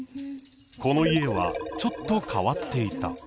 この家はちょっと変わっていた。